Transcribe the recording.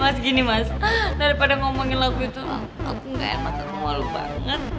mas gini mas daripada ngomongin lagu itu aku gak enak atau malu banget